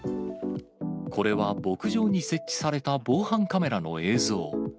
これは牧場に設置された防犯カメラの映像。